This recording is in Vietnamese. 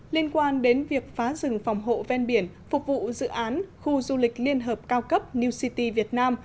liên quan đến việc phá rừng phòng hộ ven biển phục vụ dự án khu du lịch liên hợp cao cấp new city việt nam